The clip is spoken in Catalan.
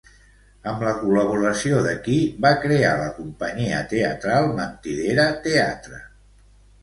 Amb la col·laboració de qui va crear la companyia teatral Mentidera Teatre?